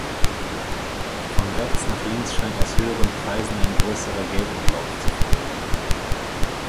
Von rechts nach links scheint aus höheren Preisen ein größerer Geldumlauf zu folgen.